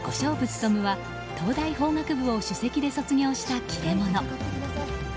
勉は東大法学部を首席で卒業した切れ者。